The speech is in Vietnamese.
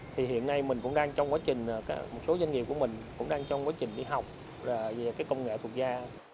thì hiện nay mình cũng đang trong quá trình một số doanh nghiệp của mình cũng đang trong quá trình đi học về cái công nghệ thuật da